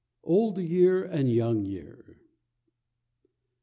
_ OLD YEAR AND YOUNG YEAR. I.